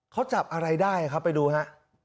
เขาจับอะไรได้ครับไปดูฮะ